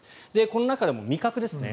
この中でも味覚ですね。